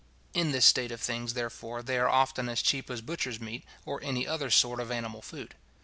In this state of things, therefore, they are often as cheap as butcher's meat, or any other sort of animal food.